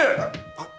あっ！